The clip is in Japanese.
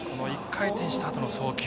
１回転したあとの送球。